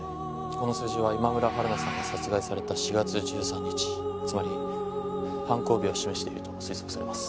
この数字は今村春菜さんが殺害された４月１３日つまり犯行日を示していると推測されます。